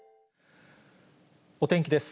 お天気です。